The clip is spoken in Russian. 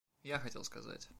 Я хотел сказать.